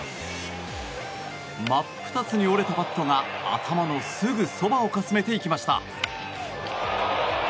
真っ二つに折れたバットが頭のすぐそばをかすめていきました。